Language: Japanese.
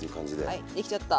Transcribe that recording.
はいできちゃった。